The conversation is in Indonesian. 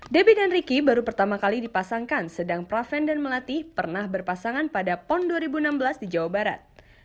debbie dan ricky baru pertama kali dipasangkan sedang praven dan melati pernah berpasangan pada pon dua ribu enam belas di jawa barat